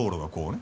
ね